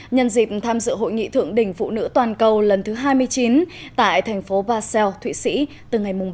nhân dịp tham dự hội nghị thượng đỉnh phụ nữ toàn cầu lần thứ hai mươi chín tại thành phố varsel thụy sĩ từ ngày ba bảy bảy